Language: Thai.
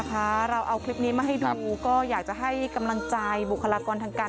ฝ่าฟันวิกฤตโควิด๑๙ช่วงนี้นะคะ